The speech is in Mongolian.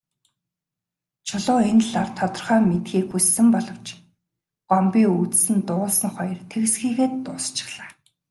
Чулуун энэ талаар тодорхой мэдэхийг хүссэн боловч Гомбын үзсэн дуулсан хоёр тэгсхийгээд дуусчихлаа.